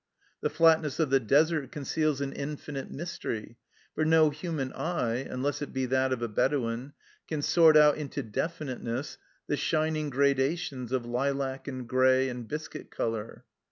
The flatness of the desert con ceals an infinite mystery, for no human eye, unless it be that of a Bedouin, can sort out into definiteness the shining gradations of lilac and grey and biscuit colour.